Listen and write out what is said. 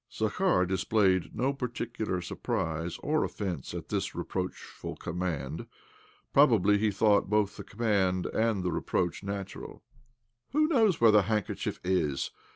Zakhar displayed no particular surprise or offence at this reproachful command. Prob ably he thought both the command and the reproach natural, " Who knows where the handkerchief is